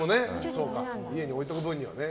家に置いておく分にはね。